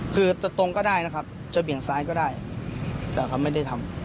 คือจะตรงก็ได้นะครับจะเบี่ยงซ้ายก็ได้แต่เขาไม่ได้ทำ